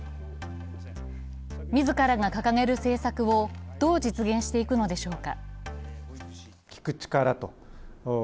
自らが掲げる政策をどう実現していくのでしょうか。